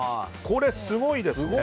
これ、すごいですね。